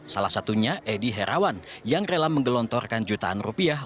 salah satunya edi herawan yang rela menggelontorkan jutaan rupiah